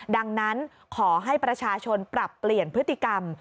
ดังนั้นขอให้ประชาชนปรับเปลี่ยนพฤติกรรม